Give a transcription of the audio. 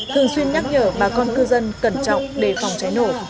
thường xuyên nhắc nhở bà con cư dân cẩn trọng để phòng cháy nổ